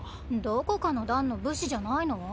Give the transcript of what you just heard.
どこかの団の武士じゃないの？